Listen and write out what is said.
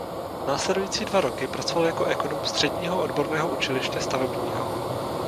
Následující dva roky pracoval jako ekonom středního odborného učiliště stavebního.